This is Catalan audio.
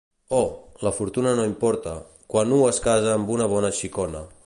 Oh! La fortuna no importa, quan u es casa amb una bona xicona.